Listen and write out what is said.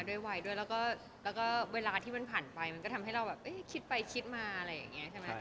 แล้วก็เวลาที่มันผ่านไปมันก็ทำให้เราคิดไปคิดมาอะไรอย่างนี้